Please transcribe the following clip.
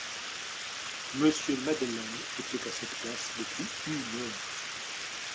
Monsieur Madeleine était à cette place depuis une heure.